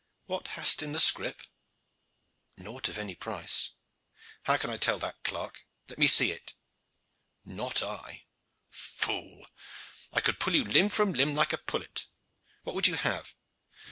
What hast in the scrip?" "Naught of any price." "How can I tell that, clerk? Let me see." "Not I." "Fool! I could pull you limb from limb like a pullet. What would you have?